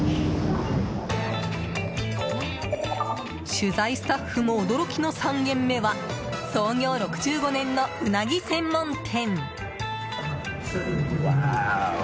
取材スタッフも驚きの３軒目は創業６５年のうなぎ専門店！